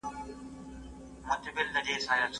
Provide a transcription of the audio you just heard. له بدعتونو ځان وساتئ.